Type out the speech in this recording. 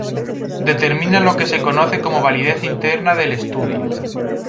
Determina lo que se conoce como validez interna del estudio.